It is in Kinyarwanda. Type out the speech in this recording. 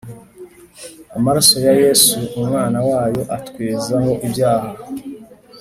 Amaraso ya yesu umwana wayo atwezaho ibyaha